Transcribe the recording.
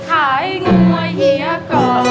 ขายฝ่ายเฮียก่อน